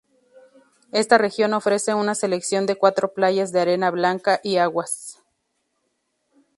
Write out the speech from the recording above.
Esta región ofrece una selección de cuatro playas de arena blanca y aguas.